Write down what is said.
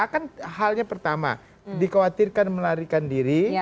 kan halnya pertama dikhawatirkan melarikan diri